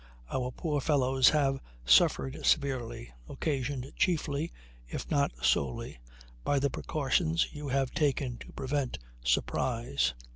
Our poor fellows have suffered severely, occasioned chiefly, if not solely, by the precautions you had taken to prevent surprise.